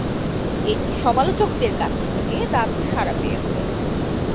এটি সমালোচকদের কাছ থেকে দারুন সাড়া পেয়েছে।